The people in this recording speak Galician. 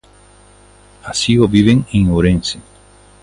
Así o viven en Ourense.